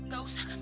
ga usah kak